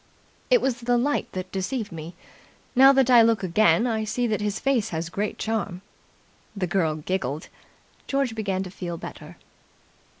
"It was the light that deceived me. Now that I look again, I see that his face has great charm." The girl giggled. George began to feel better.